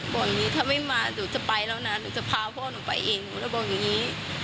อย่างนี้ถ้าไม่มาหนูจะไปแล้วนะหนูจะพาพ่อหนูไปเองหนูเลยบอกอย่างนี้